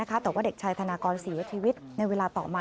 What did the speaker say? แต่ว่าเด็กชายธนากรเสียชีวิตในเวลาต่อมา